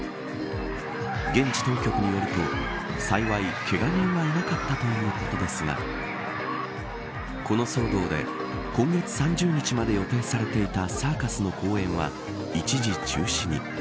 現地当局によると、幸いけが人はいなかったということですがこの騒動で今月３０日まで予定されていたサーカスの公演は一時中止に。